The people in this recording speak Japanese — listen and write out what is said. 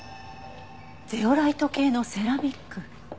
ゼオライト系のセラミック。